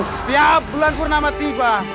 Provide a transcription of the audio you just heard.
setiap bulan purnama tiba